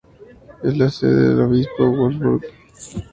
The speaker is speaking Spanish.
Es la sede del obispo de Würzburg.